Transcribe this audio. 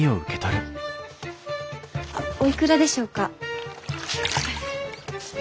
あっおいくらでしょうか？